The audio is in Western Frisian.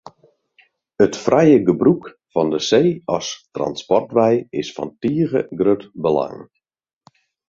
It frije gebrûk fan de see as transportwei is fan tige grut belang.